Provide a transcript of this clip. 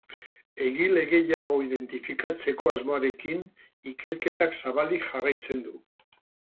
Egile gehiago identifikatzeko asmoarekin ikerketak zabalik jarraitzen du.